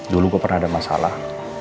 dulu kok pernah ada masalah